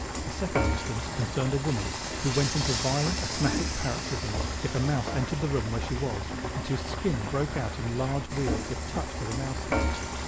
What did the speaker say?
A second instance concerned a woman who went into violent asthmatic paroxysms if a mouse entered the room where she was, and whose skin broke out into large wheals if touched with mouse hair.